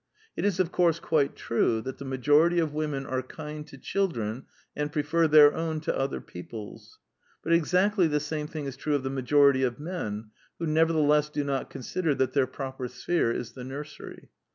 It is of course quite true that the majority of women are kind to children and prefer their own to other people's. But exactly the same thing is true of the majority of men, who nevertheless do not consider that their proper sphere is the nursery.